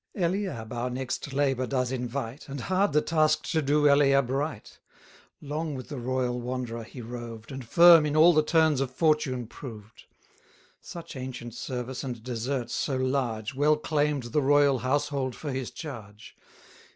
Eliab our next labour does invite, And hard the task to do Eliab right. Long with the royal wanderer he roved, And firm in all the turns of fortune proved. Such ancient service and desert so large Well claim'd the royal household for his charge.